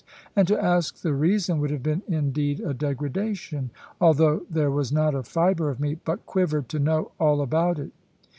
And to ask the reason would have been indeed a degradation, although there was not a fibre of me but quivered to know all about it.